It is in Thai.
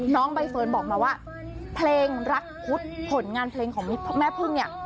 น้องใบเฟิร์นบอกมาว่าเพลงรักพุทธผลงานเพลงของแม่พึ่งเนี่ย